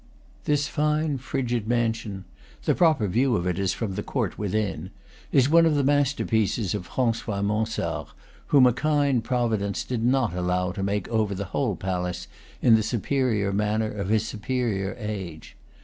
This fine, frigid mansion the proper view of it is from the court within is one of the masterpieces of Francois Mansard, whom. a kind pro vidence did not allow to make over the whole palace in the superior manner of his superior age.